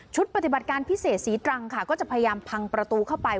ปฏิบัติการพิเศษศรีตรังค่ะก็จะพยายามพังประตูเข้าไป